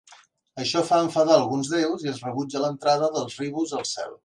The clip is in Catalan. Això fa enfadar alguns deus i es rebutja l'entrada dels Ribhus al cel.